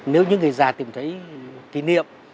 nếu như người già tìm thấy kỷ niệm